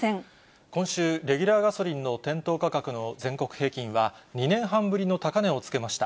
今週、レギュラーガソリンの店頭価格の全国平均は、２年半ぶりの高値をつけました。